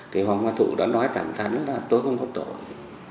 thì hoàng hoa thụ đã nói thẳng thắn là tôi không có tội